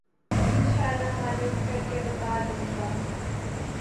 ان شاءاللہ معلوم کر کے بتا دوں گا۔